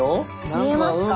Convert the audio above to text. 見えますか？